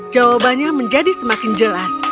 jawabannya menjadi semakin jelas